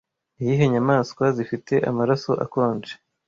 Niyihe nyamaswa zifite amaraso akonje